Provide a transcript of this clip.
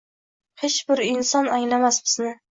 Hech bir inson anglamas bizni